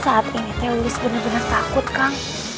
saat ini teh lilis bener bener takut kang